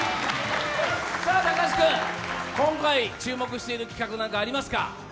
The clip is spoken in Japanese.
今回、注目している企画何かありますか？